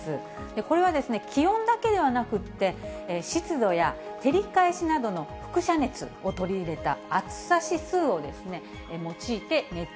これは、気温だけではなくて、湿度や照り返しなどのふく射熱を取り入れた暑さ指数を用いて熱中